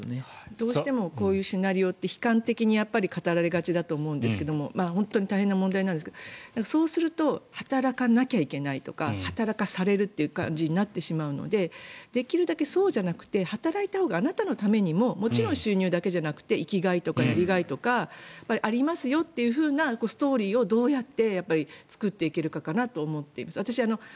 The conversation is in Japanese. どうしてもこういうシナリオって悲観的に語られがちなんですが働かなきゃいけないとか働かされる感じになってしまうのでできるだけ、そうじゃなくて働いたほうが、あなたのためにももちろん収入だけじゃなくて生きがいとかやりがいとかがありますよっていうストーリーをどうやって作っていけるかかなと思います。